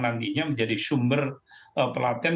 nantinya menjadi sumber pelatihan